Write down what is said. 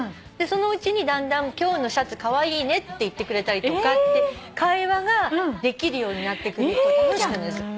そのうちにだんだん「今日のシャツカワイイね」って言ってくれたりとか会話ができるようになってくると楽しくなるんですよ。